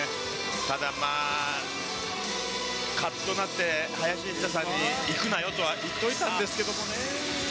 ただまあ、かっとなって、林下さんにいくなよとは言っといたんですけどね。